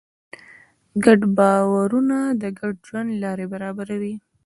ګډ باورونه د ګډ ژوند لاره برابروي.